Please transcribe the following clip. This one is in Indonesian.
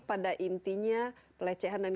pada intinya pelecehan dan